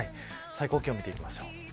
最高気温、見ていきましょう。